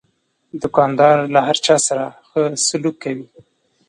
دوکاندار له هر چا سره ښه سلوک کوي.